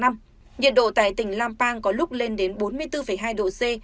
nhiệt độ tại tỉnh lampang có lúc lên đến bốn mươi bốn hai độ c